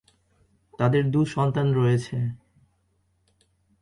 তাদের দু’সন্তান রয়েছে।